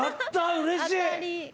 うれしい。